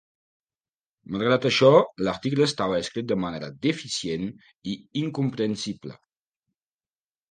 Malgrat això, l'article estava escrit de manera deficient i incomprensible.